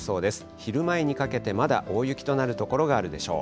昼前にかけてまだ大雪となる所があるでしょう。